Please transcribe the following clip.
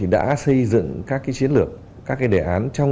đã xây dựng các chiến lược các đề án